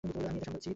আমি এটা সামলাচ্ছি।